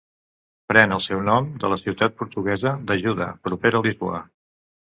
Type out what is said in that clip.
Pren el seu nom de la ciutat portuguesa d'Ajuda, propera a Lisboa.